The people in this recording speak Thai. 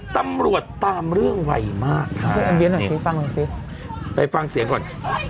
ตำรวจตามเรื่องไวมากค่ะไปฟังเสียงก่อน